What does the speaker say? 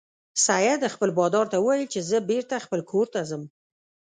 سید خپل بادار ته وویل چې زه بیرته کور ته ځم.